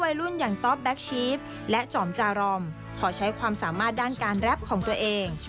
วัยรุ่นอย่างต๊อปแก๊คชีฟและจอมจารอมขอใช้ความสามารถด้านการแรปของตัวเอง